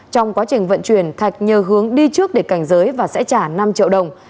trong quá trình vận chuyển thạch nhờ hướng đi trước để cảnh giới và sẽ trả năm triệu đồng